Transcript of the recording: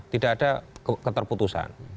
tidak ada keterputusan